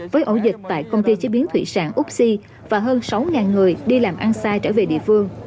với ổ dịch tại công ty chế biến thủy sản úc si và hơn sáu người đi làm ăn xa trở về địa phương